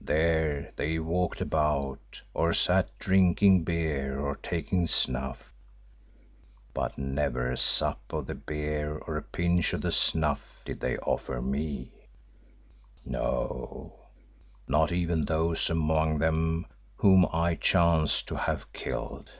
There they walked about, or sat drinking beer or taking snuff, but never a sup of the beer or a pinch of the snuff did they offer me, no, not even those among them whom I chanced not to have killed.